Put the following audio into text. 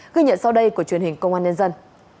ghi nhận sau đây của truyền hình công an nhân dân